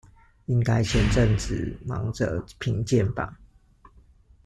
應該前陣子忙著評鑑吧